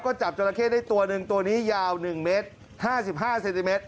ก็จับจราเข้ได้ตัวหนึ่งตัวนี้ยาว๑เมตร๕๕เซนติเมตร